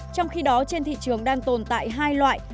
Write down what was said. trong khi đó trên thị trường đang tồn tại hai loại